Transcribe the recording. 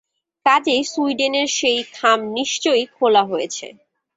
কাজেই সুইডেনের সেই খাম নিশ্চয়ই খোলা হয়েছে।